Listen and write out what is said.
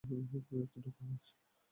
তুমি একটা ধোঁকাবাজ।